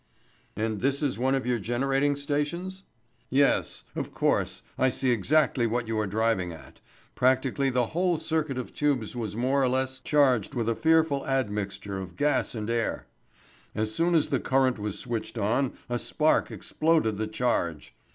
"And this is one of your generating stations?" "Yes. Of course I see exactly what you are driving at. Practically the whole circuit of tubes was more or less charged with a fearful admixture of gas and air. As soon as the current was switched on a spark exploded the charge.